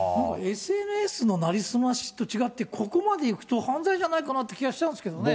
なんかＳＮＳの成り済ましと違って、ここまでいくと、犯罪じゃないかなっていう気がしちゃうんですけどね。